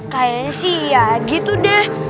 kayaknya sih ya gitu deh